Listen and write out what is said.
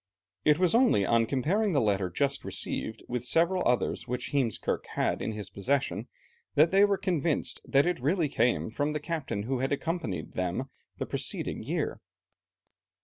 It was only on comparing the letter just received with several others which Heemskerke had in his possession, that they were convinced that it really came from the captain who had accompanied them the preceding year.